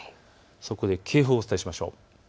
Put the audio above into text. そこで警報をお伝えしましょう。